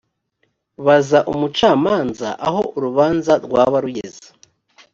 baza umucamanza aho urubanza rwaba rugeze